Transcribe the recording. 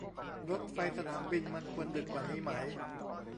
รถไฟสนามบินมันควรดึกกว่านี้ไหม